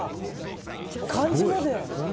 漢字まで。